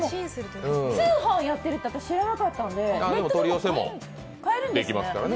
通販やってるの知らなかったので、ネットでも買えるんですね？